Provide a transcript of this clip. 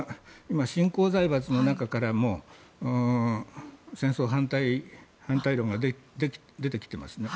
今、新興財閥の中からも戦争反対論が出てきてます。